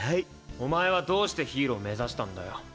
お前はどうしてヒーローを目指したんだよ。